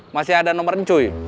masih ada nomer ncuy